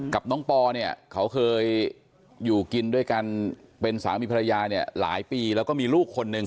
กับน้องปอเนี่ยเขาเคยอยู่กินด้วยกันเป็นสามีภรรยาเนี่ยหลายปีแล้วก็มีลูกคนหนึ่ง